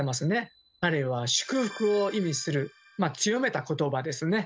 あれは祝福を意味する強めたことばですね。